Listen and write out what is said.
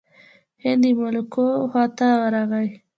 هند د ملوکو خواته ورغی.